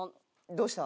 どうした？